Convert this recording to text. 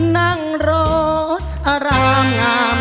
นั่งโรดอร่างงาม